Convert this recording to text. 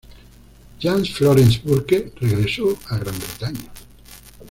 Jams Florence Burke regresó a Gran Bretaña.